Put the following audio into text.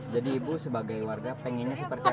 jadi ibu sebagai warga pengennya sipercewa